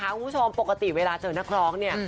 คุณผู้ชมปกติเวลาเจอนักร้องเนี่ย